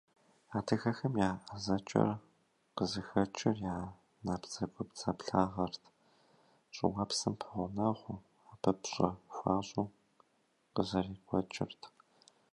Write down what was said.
Адыгэхэм я ӏэзэкӏэр къызыхэкӏыр я набдзэгубдзаплъагъэрт, щӏыуэпсым пэгъунэгъуу, абы пщӏэ хуащӏу къызэрекӏуэкӏырт.